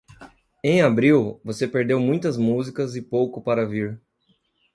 Em abril, você perdeu muitas músicas e pouco para vir.